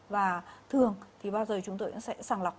và thường thì bao giờ chúng tôi sẽ sẵn lọc